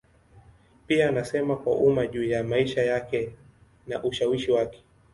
Pia anasema kwa umma juu ya maisha yake na ushawishi wake.